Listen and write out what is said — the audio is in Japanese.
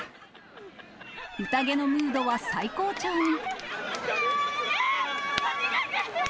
宴のムードは最高潮に。